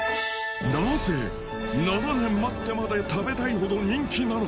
なぜ７年待ってまで食べたいほど人気なのか？